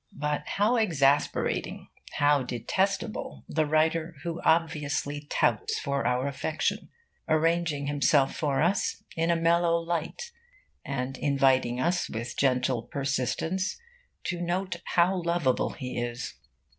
But how exasperating, how detestable, the writer who obviously touts for our affection, arranging himself for us in a mellow light, and inviting us, with gentle persistence, to note how lovable he is!